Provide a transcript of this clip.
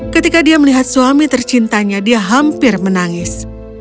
ketika dia melihat suami tercintanya dia hampir menangis